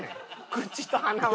口と鼻は。